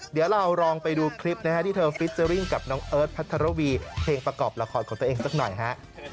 เดี๋ยวเราลองไปดูคลิปนะฮะที่เธอฟิเจอร์ริ่งกับน้องเอิร์ทพัทรวีเพลงประกอบละครของตัวเองสักหน่อยฮะ